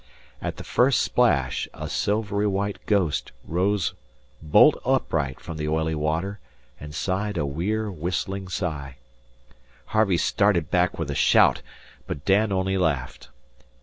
At the first splash a silvery white ghost rose bolt upright from the oily water and sighed a weird whistling sigh. Harvey started back with a shout, but Dan only laughed.